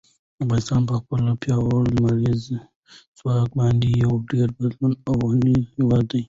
افغانستان په خپل پیاوړي لمریز ځواک باندې یو ډېر بډای او غني هېواد دی.